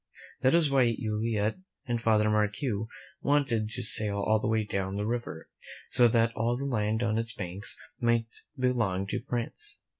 This was why Joliet and Father Marquette wanted to sail all the way down the river, so that all the land on its banks might belong to France.